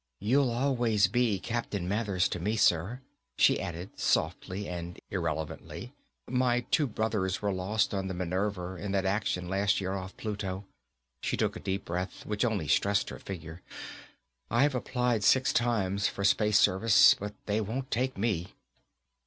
"You'll always be Captain Mathers to me, sir." She added, softly and irrelevantly, "My two brothers were lost on the Minerva in that action last year off Pluto." She took a deep breath, which only stressed her figure. "I've applied six times for Space Service, but they won't take me."